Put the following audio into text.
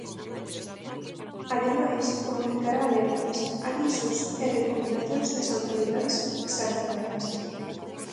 Ademais, comunicará alertas, avisos e recomendacións das autoridades sanitarias.